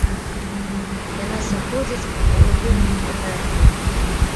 Яна сыходзіць, але вельмі інертна.